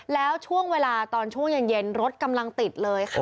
แล้วช่วงเวลาตอนช่วงเย็นรถกำลังติดเลยค่ะ